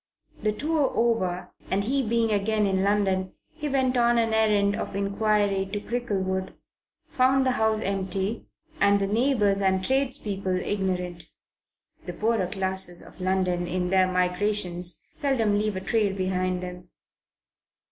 The tour over, and he being again in London, he went on an errand of inquiry to Cricklewood, found the house empty and the neighbours and tradespeople ignorant. The poorer classes of London in their migrations seldom leave a trail behind them.